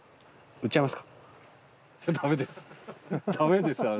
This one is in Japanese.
売っちゃいます。